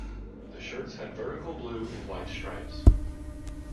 The shirts had vertical blue and white stripes.